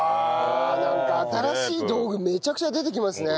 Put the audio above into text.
なんか新しい道具めちゃくちゃ出てきますね！